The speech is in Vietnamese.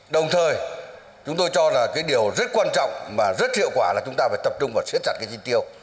đồng thời chúng tôi cho là cái điều rất quan trọng mà rất hiệu quả là chúng ta phải tập trung vào siết chặt cái chi tiêu